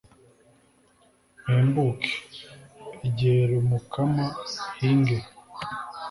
mpembuke (eger'umukama) hinge